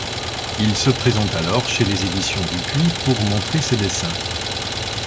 Il se présente alors chez les éditions Dupuis pour montrer ses dessins.